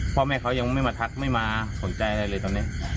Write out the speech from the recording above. พ่อแม่เขายังไม่มาทักไม่มาสนใจอะไรเลยตอนนี้